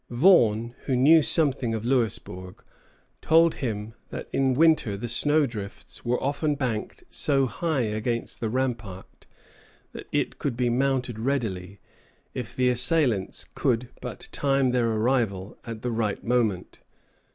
Vaughan, who knew something of Louisbourg, told him that in winter the snow drifts were often banked so high against the rampart that it could be mounted readily, if the assailants could but time their arrival at the right moment.